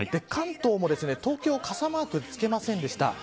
関東も東京傘マークつけませんでした。